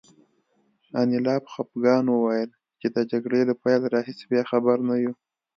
انیلا په خپګان وویل چې د جګړې له پیل راهیسې بیا خبر نه یو